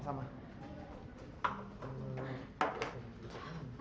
oh ya sama sama